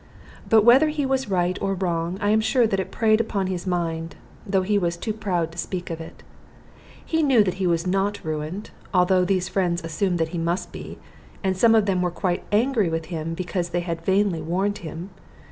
But whether he was right or wrong, I am sure that it preyed upon his mind, though he was too proud to speak of it. He knew that he was not ruined, although these friends assumed that he must be; and some of them were quite angry with him because they had vainly warned him.